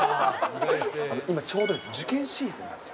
今、ちょうど受験シーズンなんですよ。